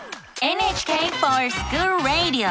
「ＮＨＫｆｏｒＳｃｈｏｏｌＲａｄｉｏ」！